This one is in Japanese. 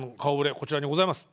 こちらにございます。